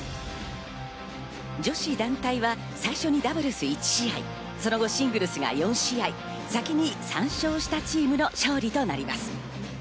女子団体は最初にダブルス１試合、その後、シングルスが４試合、先に３勝したチームの勝利となります。